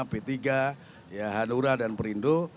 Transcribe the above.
p tiga hanura dan perindo